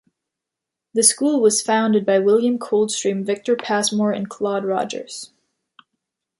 The School was founded by William Coldstream, Victor Pasmore and Claude Rogers.